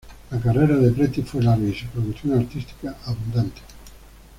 La carrera de Preti fue larga y su producción artística abundante.